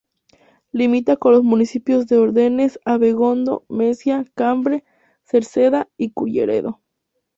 Limita con los municipios de Órdenes, Abegondo, Mesia, Cambre, Cerceda y Culleredo.